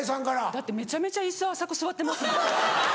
だってめちゃめちゃ椅子浅く座ってますもん。